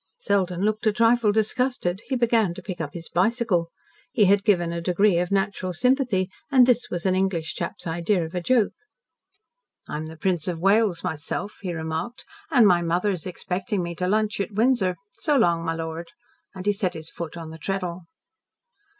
Selden looked a trifle disgusted. He began to pick up his bicycle. He had given a degree of natural sympathy, and this was an English chap's idea of a joke. "I'm the Prince of Wales, myself," he remarked, "and my mother's expecting me to lunch at Windsor. So long, me lord," and he set his foot on the treadle.